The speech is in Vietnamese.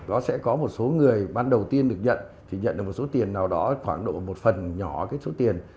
nó sẽ có một số người ban đầu tiên được nhận thì nhận được một số tiền nào đó khoảng độ một phần nhỏ cái số tiền